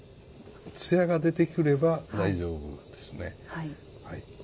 つやが出てくれば大丈夫ですね。